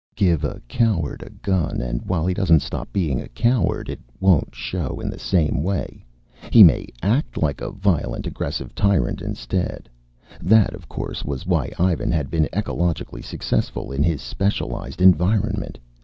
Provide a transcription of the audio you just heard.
Give a coward a gun, and, while he doesn't stop being a coward, it won't show in the same way. He may act like a violent, aggressive tyrant instead. That, of course, was why Ivan had been ecologically successful in his specialized environment.